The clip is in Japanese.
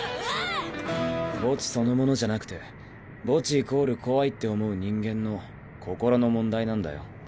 ああっ⁉墓地そのものじゃなくて墓地イコール怖いって思う人間の心の問題なんだよ。